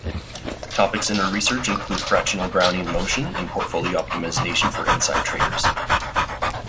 Topics in her research include fractional Brownian motion and portfolio optimization for inside traders.